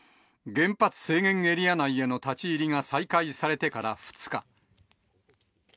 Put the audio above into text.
原発制限エリア内への立ち入りが再開されてから２日。